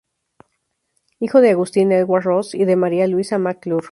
Hijo de Agustín Edwards Ross y de María Luisa Mac-Clure.